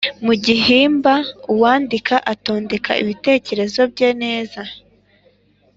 Mu gihimba uwandika atondeka ibitekerezo bye neza